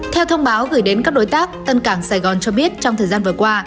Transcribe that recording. theo thông báo gửi đến các đối tác tân cảng sài gòn cho biết trong thời gian vừa qua